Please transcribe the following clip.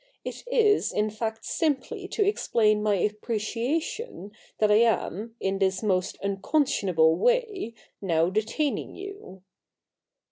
It is in fact simply to explain my appreciation that I am, in this most unconscionable way, now detaining you.